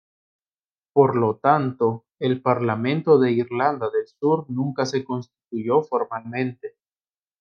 Por lo tanto, el Parlamento de Irlanda del Sur nunca se constituyó formalmente.